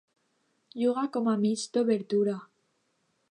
Juga com a mig d'obertura.